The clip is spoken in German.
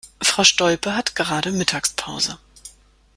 Frau Stolpe hat gerade Mittagspause.